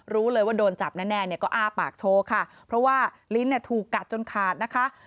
รู้เลยว่าโดนจับแน่เนี่ยก็อ้าปากโชว์ค่ะเพราะว่าลิ้นเนี่ยถูกกัดจนขาดนะคะ